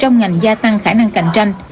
trong ngành gia tăng khả năng cạnh tranh